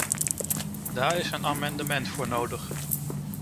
Daar is een amendement voor nodig.